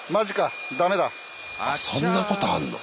あっそんなことあんの？